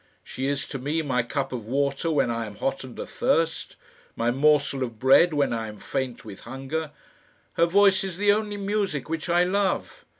She is to me my cup of water when I am hot and athirst, my morsel of bread when I am faint with hunger. Her voice is the only music which I love.